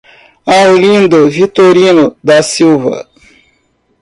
Arlindo Vitorino da Silva